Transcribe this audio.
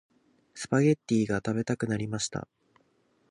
スパゲッティが食べたくなりました。